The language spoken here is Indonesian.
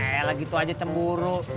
kayak lah gitu aja cemburu